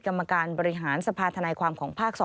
กรรมการบริหารสภาธนายความของภาค๒